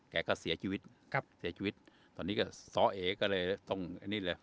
แกก็เสียชีวิตครับเสียชีวิตตอนนี้ก็ซ้อเอก็เลยต้องอันนี้เลย